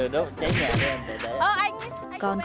được được cháy nhạc cho em để đây